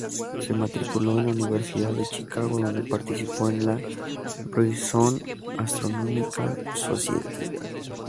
Se matriculó en la Universidad de Chicago, donde participó en la Ryerson Astronomical Society.